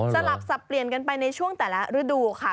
สลับสับเปลี่ยนกันไปในช่วงแต่ละฤดูค่ะ